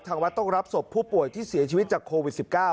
วัดต้องรับศพผู้ป่วยที่เสียชีวิตจากโควิด๑๙